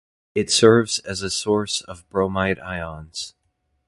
It serves as a source of bromide ions.